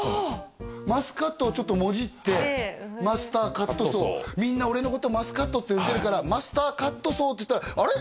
マスカットをちょっともじってマスターカットソーみんな俺のことをマスカットって呼んでるからマスターカットソーといったらあれ？